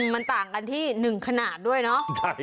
มันต่างกันที่๑ขนาดด้วยเนาะ